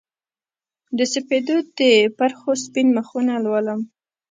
د سپیدو د پرخو سپین مخونه لولم